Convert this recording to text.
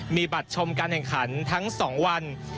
มีบัตรชมการแข่งขันทั้ง๒วัน